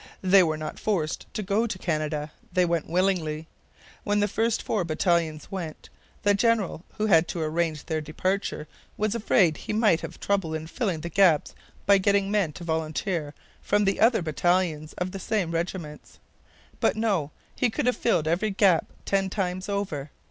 They were not forced to go to Canada. They went willingly. When the first four battalions went, the general who had to arrange their departure was afraid he might have trouble in filling the gaps by getting men to volunteer from the other battalions of the same regiments. But no. He could have filled every gap ten times over.